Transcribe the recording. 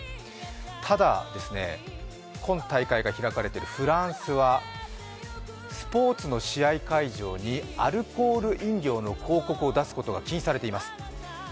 ただですね、今大会が開かれているフランスはスポーツの試合会場にアルコール飲料の広告を出すことが禁止されています。